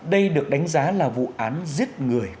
đây được đánh giá là vụ án giết người